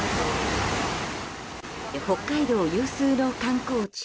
北海道有数の観光地